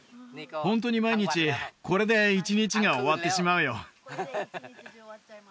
ホントに毎日これで一日が終わってしまうよ